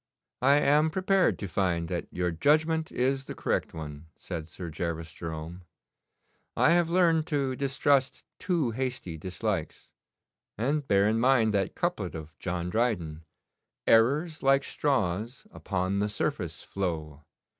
'I am prepared to find that your judgment is the correct one,' said Sir Gervas Jerome. 'I have learned to distrust too hasty dislikes, and bear in mind that couplet of John Dryden "Errors, like straws, upon the surface flow.